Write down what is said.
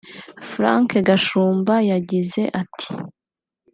Frank Gashumba yagize ati